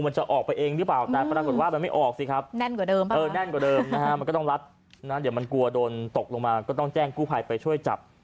มันก็ต้องรัดเดี๋ยวมันกลัวโดนตกลงมาก็ต้องแจ้งกู้ภัยไปช่วยจับ